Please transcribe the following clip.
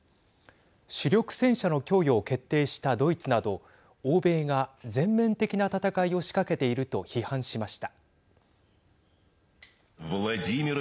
主力戦車の供与を決定したドイツなど欧米が全面的な戦いを仕掛けていると批判しました。